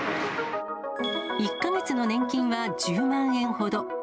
１か月の年金は１０万円ほど。